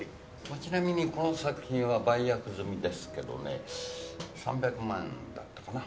ちなみにこの作品は売約済みですけどね３００万だったかな。